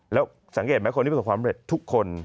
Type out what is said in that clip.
แล้วสังเกตไหมคนที่ประสบความเร็จทุกคน